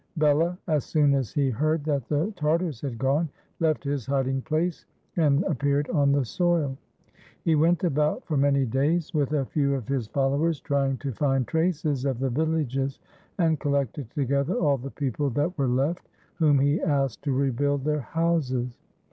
Bela, as soon as he heard that the Tar tars had gone, left his hiding place and appeared on the soil. He went about for many days with a few of his 255 AUSTRIA HUNGARY followers trying to find traces of the villages, and col lected together all the people that were left, whom he asked to rebuild their houses.